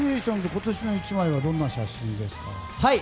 今年の１枚はどんな写真ですか？